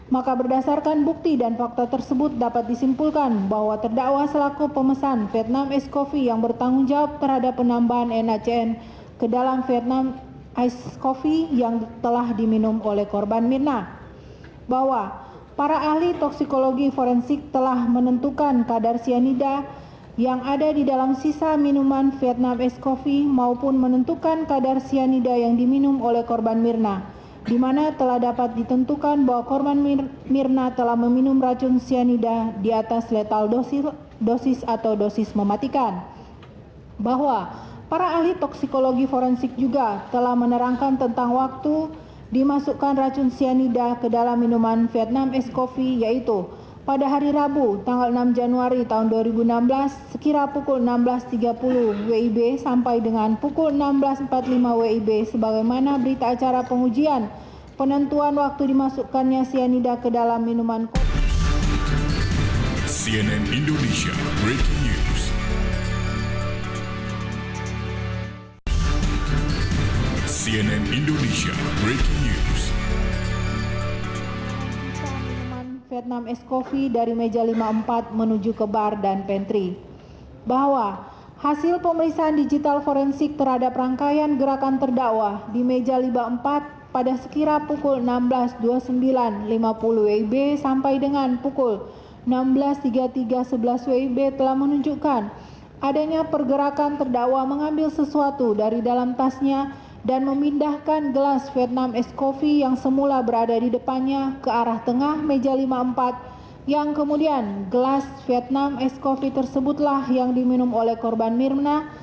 maka berdasarkan bukti dan fakta tersebut dapat disimpulkan bahwa terdakwa selaku pemesan vietnam ice coffee yang bertanggung jawab terhadap penambahan nacn ke dalam vietnam ice coffee yang telah diminum oleh korban myrna